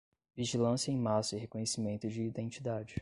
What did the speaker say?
Vigilância em massa e reconhecimento de identidade